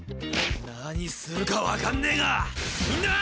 何するかわかんねェがみんなぁ！